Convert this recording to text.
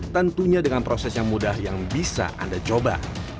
tentunya dengan proses yang mudah yang bisa anda coba